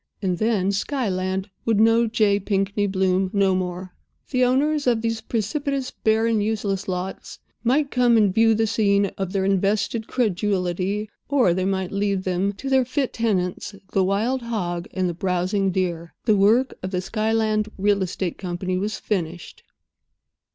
And then Skyland would know J. Pinkney Bloom no more. The owners of these precipitous, barren, useless lots might come and view the scene of their invested credulity, or they might leave them to their fit tenants, the wild hog and the browsing deer. The work of the Skyland Real Estate Company was finished.